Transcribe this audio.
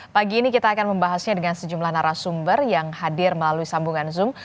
pagi ini kita akan membahasnya dengan sejumlah narasumber yang hadir melalui sambungan zoom